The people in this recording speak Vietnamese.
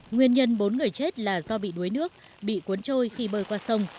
nguyên nhân bốn người chết là do bị đuối nước bị cuốn trôi khi bơi qua sông